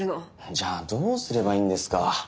じゃあどうすればいいんですか。